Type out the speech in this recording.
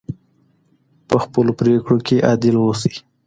په خپلو پریکړو کې عادل اوسئ.